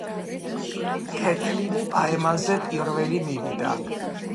ქეთლინი პაემანზე პირველი მივიდა.